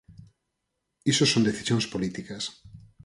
Iso son decisións políticas.